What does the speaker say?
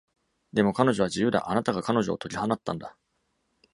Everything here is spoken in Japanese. でも彼女は自由だ。あなたが彼女を解き放ったんだ！